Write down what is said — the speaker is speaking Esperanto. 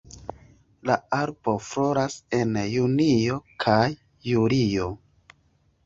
La arbo floras en junio kaj julio.